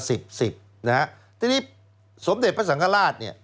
ทีนี้สมเด็จพระสังกราช